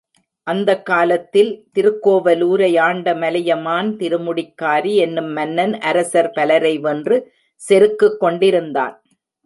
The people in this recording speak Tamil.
அந்தக் காலத்தில் திருக்கோவலூரை ஆண்ட மலையமான் திருமுடிக்காரி என்னும் மன்னன், அரசர் பலரை வென்று, செருக்குக் கொண்டிருந்தான்.